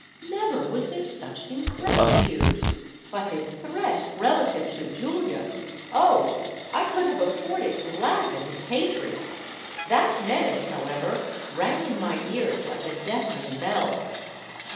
Never was there such ingratitude! But his threat relative to Julia,—oh! I could have afforded to laugh at his hatred: that menace, however, rang in my ears like a deafening bell.